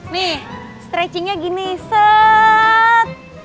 nih stretchingnya gini set